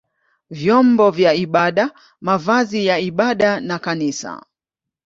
vyombo vya ibada, mavazi ya ibada na kanisa.